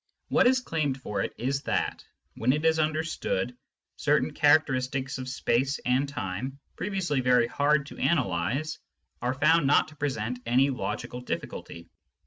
What is claimed for it is that, when it is understood, certain characteristics of space and time, previously very hard to analyse, are found not to present any logical difficulty.